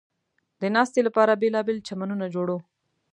د ناستې لپاره بېلابېل چمنونه جوړ و.